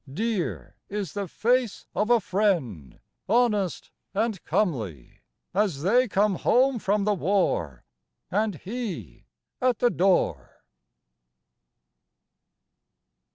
Dear is the face of a friend, honest and comely, As they come home from the war and he at the door.